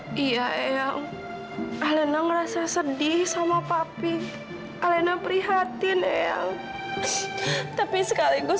oh iya yang karena ngerasa sedih sama papi alena prihatin yang tapi sekaligus